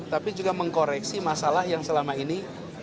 tapi juga mengkoreksi masalah yang selama ini